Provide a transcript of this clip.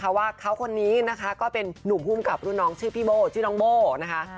เพราะว่าเขาคนนี้นะคะก็เป็นนุ่มภูมิกับรุ่นน้องชื่อพี่โบ้ชื่อน้องโบ้นะคะ